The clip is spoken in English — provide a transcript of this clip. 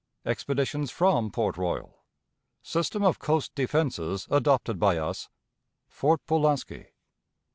Expeditions from Port Royal. System of Coast Defenses adopted by us. Fort Pulaski.